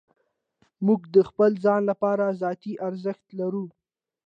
موږ د خپل ځان لپاره ذاتي ارزښت لرو.